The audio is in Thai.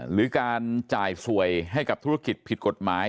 หรือการจ่ายสวยให้กับธุรกิจผิดกฎหมาย